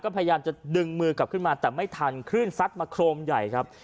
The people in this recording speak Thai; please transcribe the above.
พยายามจะดึงมือกลับขึ้นมาแต่ไม่ทันคลื่นซัดมาโครมใหญ่ครับ